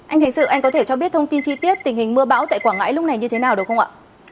anh khánh sự anh có thể cho biết thông tin chi tiết tình hình mưa bão tại quảng ngãi lúc này như thế nào đúng không ạ